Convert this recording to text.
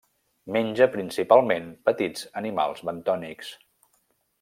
Menja principalment petits animals bentònics.